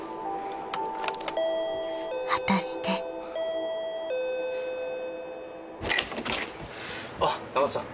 ［果たして］あっ仲田さん。